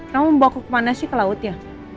kamu bawa aku kemana sih ke laut ya